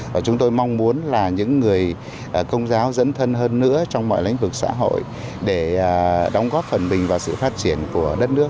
và chúng tôi mong muốn là những người công giáo dẫn thân hơn nữa trong mọi lĩnh vực xã hội để đóng góp phần mình vào sự phát triển của đất nước